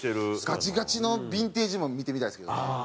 ガチガチのヴィンテージも見てみたいですけどね。